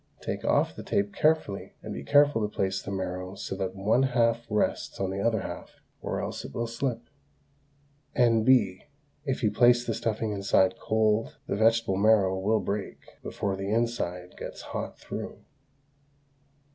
Take off the tape carefully, and be careful to place the marrow so that one half rests on the other half, or else it will slip. N.B. If you place the stuffing inside cold, the vegetable marrow will break before the inside gets hot through.